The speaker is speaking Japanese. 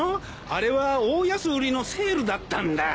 あれは大安売りのセールだったんだ。